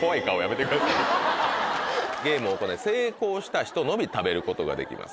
ゲームを行い成功した人のみ食べることができます。